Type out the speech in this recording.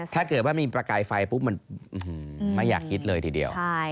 ถ้าเกิดว่ามีประกายไฟปุ๊บมันไม่อยากคิดเลยทีเดียว